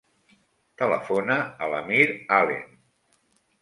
Telefona a l'Amir Alen.